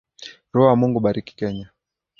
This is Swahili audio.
Roho wa Mungu, Bariki kenya.